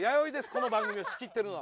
この番組を仕切ってるのは。